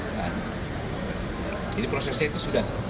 jadi prosesnya itu sudah